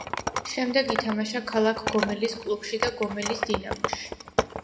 შემდეგ ითამაშა ქალაქ გომელის კლუბში და გომელის დინამოში.